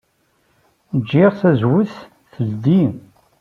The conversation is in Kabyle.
Jjiɣ tazewwut teldey.